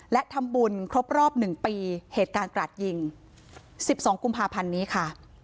และทำบุญครบรอบ๑ปีเหตุการณ์กราดยิง๑๒กุมภาพันธ์นี้ค่ะ